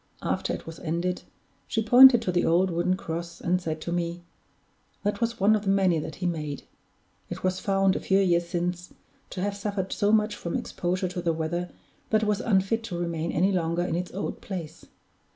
After it was ended, she pointed to the old wooden cross, and said to me: "That was one of the many that he made. It was found, a few years since, to have suffered so much from exposure to the weather that it was unfit to remain any longer in its old place.